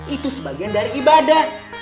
itu sebagian dari ibadah